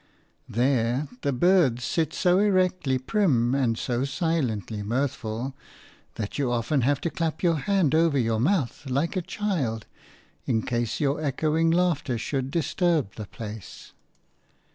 There the birds sit so erectly prim and so silently mirthful that you often have to clap your hand over your mouth like a child in case your echoing laughter should disturb the place.